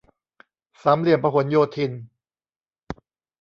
สามเหลี่ยมพหลโยธิน